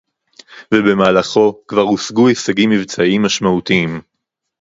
ובמהלכו כבר הושגו הישגים מבצעיים משמעותיים